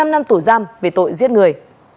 một mươi năm năm tổ giam về tội giết người